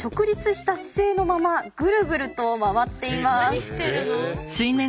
何してるの？